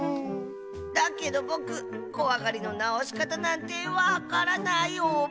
だけどぼくこわがりのなおしかたなんてわからないオバ。